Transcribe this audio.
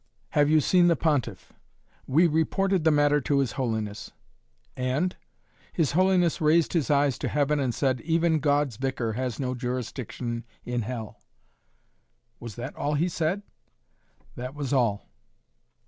"Have you seen the Pontiff?" "We reported the matter to His Holiness." "And?" "His Holiness raised his eyes to heaven and said: 'Even God's Vicar has no jurisdiction in Hell!'" "Was that all he said?" "That was all!"